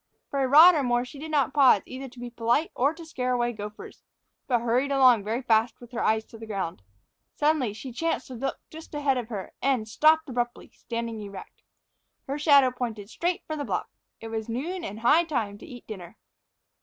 For a rod or more she did not pause either to be polite or to scare away gophers, but hurried along very fast, with her eyes to the ground. Suddenly she chanced to look just ahead of her, and stopped abruptly, standing erect. Her shadow pointed straight for the bluff: it was noon and high time to eat dinner.